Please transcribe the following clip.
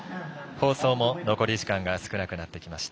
放送も残り時間が少なくなってきました。